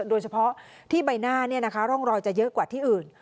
โดยเฉพาะที่ใบหน้าร่องรอยจะเยอะกว่าที่อื่น